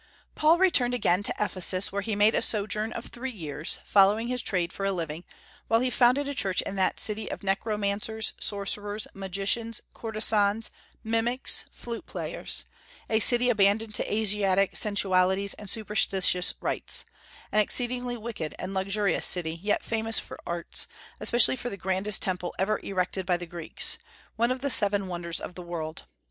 Paul returned again to Ephesus, where he made a sojourn of three years, following his trade for a living, while he founded a church in that city of necromancers, sorcerers, magicians, courtesans, mimics, flute players, a city abandoned to Asiatic sensualities and superstitious rites; an exceedingly wicked and luxurious city, yet famous for arts, especially for the grandest temple ever erected by the Greeks, one of the seven wonders of the world.